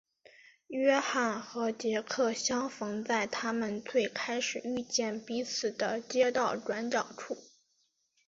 约翰和杰克相逢在他们最开始遇见彼此的街道转角处。